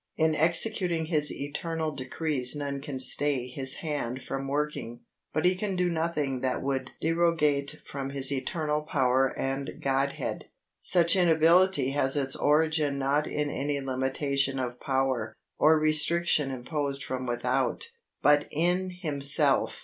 In executing His eternal decrees none can stay His hand from working, but He can do nothing that would derogate from His eternal power and Godhead. Such inability has its origin not in any limitation of power, or restriction imposed from without, but in Himself.